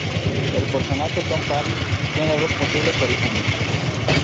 El personaje "Tom Paris" tiene dos posibles orígenes.